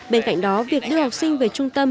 bên cạnh đó việc đưa học sinh về trung tâm